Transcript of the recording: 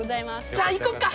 じゃあ行こうか。